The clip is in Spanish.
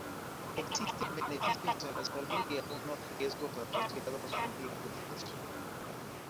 Existen beneficios a la salud y algunos riesgos asociados con ir descalzo.